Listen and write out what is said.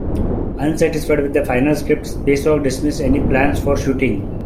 Unsatisfied with the final script, Spacehog dismissed any plans for shooting.